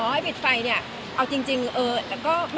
อ๋อให้ปิดไฟเนี่ยเอาจริงเออ